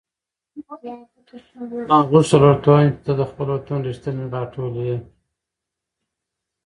ما غوښتل ورته ووایم چې ته د خپل وطن رښتینې غاټول یې.